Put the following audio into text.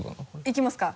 いきますか？